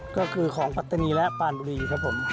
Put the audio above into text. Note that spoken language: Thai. ก็คือของปัตตานีและปานบุรีครับผม